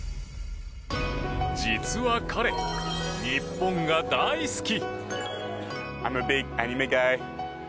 実は彼、日本が大好き。